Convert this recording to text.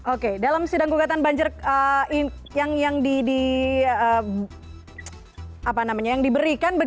oke dalam sidang gugatan banjir yang diberikan